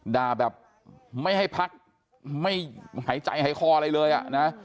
ด่าแบบไม่ให้พักไม่หายใจหายคออะไรเลยอ่ะนะ